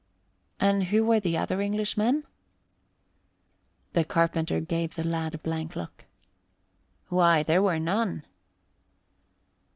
"And who were the other Englishmen?" The carpenter gave the lad a blank look. "Why, there were none."